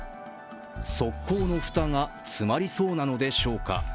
側溝の蓋が詰まりそうなのでしょうか。